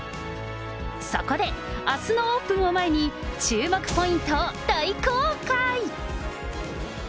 そこで、あすのオープンを前に、注目ポイントを大公開。